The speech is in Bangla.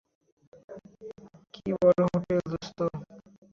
কি বড় হোটেল, দোস্ত?